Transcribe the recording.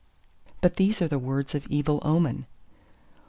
... "But these are words of evil omen.".